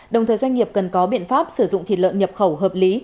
đồng thời doanh nghiệp cần có biện pháp sử dụng thịt lợn nhập khẩu hợp lý